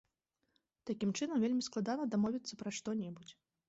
Такім чынам, вельмі складана дамовіцца пра што-небудзь.